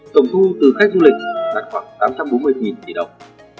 tổng thu từ khách du lịch đạt khoảng tám trăm bốn mươi tỷ đồng